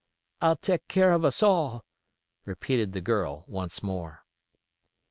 "I'll teck care o' us all," repeated the girl once more.